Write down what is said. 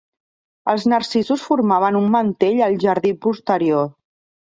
Els narcisos formaven un mantell al jardí posterior.